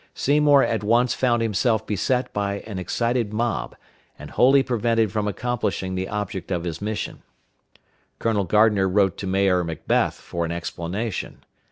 Seymour at once found himself beset by an excited mob, and wholly prevented from accomplishing the object of his mission. Colonel Gardner wrote to Mayor Macbeth for an explanation.